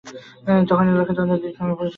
তখন এ এলাকা চন্দ্রদ্বীপ নামে পরিচিত ছিল।